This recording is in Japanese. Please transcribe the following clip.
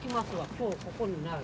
今日ここにない。